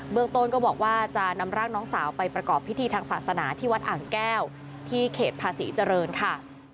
เมืองต้นก็บอกว่าจะนำร่างน้องสาวไปประกอบพิธีทางศาสนาที่วัดอ่างแก้วที่เขตภาษีเจริญค่ะ